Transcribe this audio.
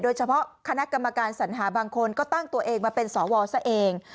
คณะกรรมการสัญหาบางคนก็ตั้งตัวเองมาเป็นสวซะเอง